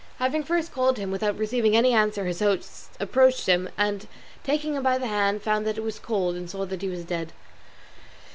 Having first called to him without receiving any answer, his host approached him, and taking him by the hand, found that it was cold, and saw that he was dead.